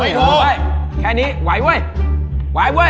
ไม่โทรแค่นี้ไหวเว้ยไหวเว้ย